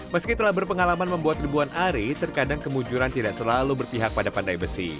meski telah berpengalaman membuat ribuan ari terkadang kemunjuran tidak selalu berpihak pada pandai besi